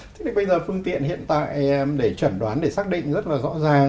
thế thì bây giờ phương tiện hiện tại để chẩn đoán để xác định rất là rõ ràng